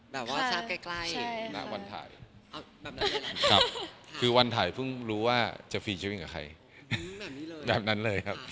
แบบว่าทราบใกล้ในวันถ่ายคือวันถ่ายเพิ่งรู้ว่าจะฟีช่วยกับใครแบบนั้นเลยครับ